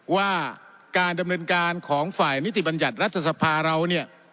ว่าการดำเนินการของฝ่ายนิติบัญญัติรัฐสภาเราเนี่ย